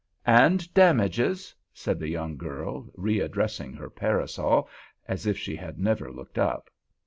"And damages," said the young girl, readdressing her parasol, as if she had never looked up.